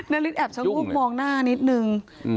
นาริสแอบชะโงกมองหน้านิดนึง